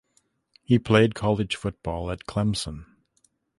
He played college football at Clemson.